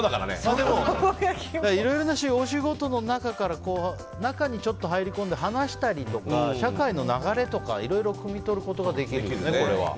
でも、いろいろなお仕事の中に入り込んで話したりとか社会の流れとかいろいろくみ取ることができるね。